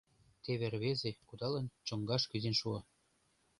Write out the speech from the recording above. Теве рвезе, кудалын, чоҥгаш кӱзен шуо.